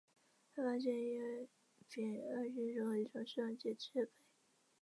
他发现异戊二烯可以从松节油中制备。